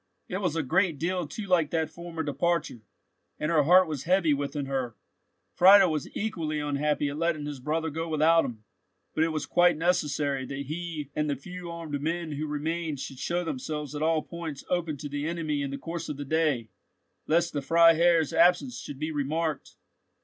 It was a great deal too like that former departure, and her heart was heavy within her! Friedel was equally unhappy at letting his brother go without him, but it was quite necessary that he and the few armed men who remained should show themselves at all points open to the enemy in the course of the day, lest the Freiherr's absence should be remarked.